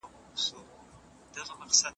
د دولت واکمني ورځ تر بلي کمزوري کيده.